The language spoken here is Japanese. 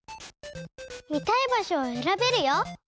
見たいばしょをえらべるよ！